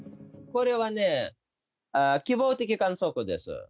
これは希望的観測です。